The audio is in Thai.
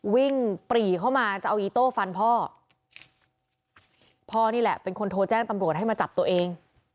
ปรีเข้ามาจะเอาอีโต้ฟันพ่อพ่อนี่แหละเป็นคนโทรแจ้งตำรวจให้มาจับตัวเอง